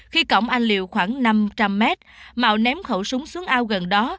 khi cổng anh liều khoảng năm trăm linh m mạo ném khẩu súng xuống ao gần đó